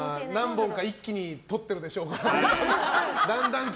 何本か一気に撮ってるでしょうからね。